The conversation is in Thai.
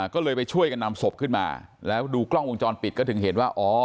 ก็เลยไปช่วยกันนำศพขึ้นมาแล้วดูกล้องวงจรปิดก็ถึงเห็นว่าอ๋อ